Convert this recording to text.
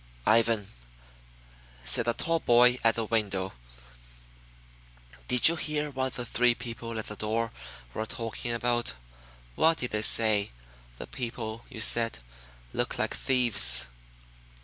"Ivan," said the tall boy at the window, "did you hear what the three people at the door were talking about? What did they say? The people you said looked like thieves."